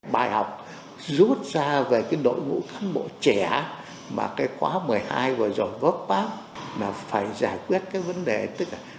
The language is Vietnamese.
bài học rút ra về cái đội ngũ cán bộ trẻ mà cái khóa một mươi hai vừa rồi vớt bác là phải giải quyết cái vấn đề tức là